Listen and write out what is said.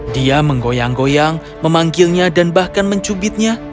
dia menggoyang goyang memanggilnya dan bahkan mencubitnya